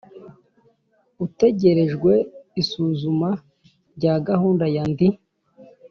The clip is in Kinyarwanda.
Utegerejwe isuzuma rya gahunda ya ndi